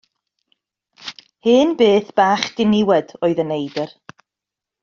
Hen beth bach diniwed oedd y neidr.